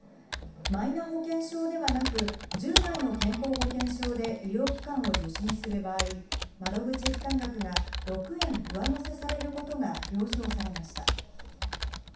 マイナ保険証ではなく、従来の健康保険証で医療機関を受診する場合、窓口負担額が６円上乗せされることが了承されました。